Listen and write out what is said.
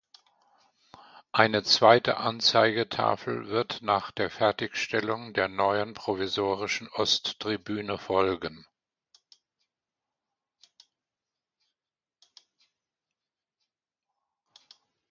Eine zweite Anzeigetafel wird nach der Fertigstellung der neuen provisorischen Osttribüne folgen.